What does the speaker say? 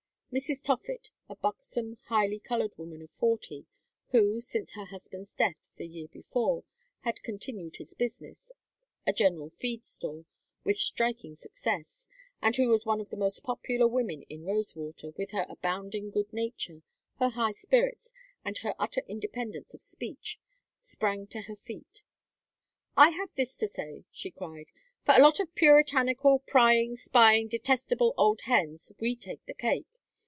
Mrs. Toffitt, a buxom highly colored woman of forty, who, since her husband's death, the year before, had continued his business a general feed store with striking success, and who was one of the most popular women in Rosewater, with her abounding good nature, her high spirits, and her utter independence of speech, sprang to her feet. "I have this to say," she cried. "For a lot of puritanical, prying, spying, detestable old hens, we take the cake.